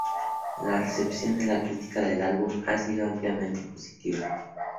La recepción de la crítica del álbum ha sido ampliamente positiva.